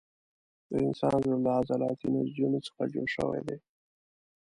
د انسان زړه له عضلاتي نسجونو څخه جوړ شوی دی.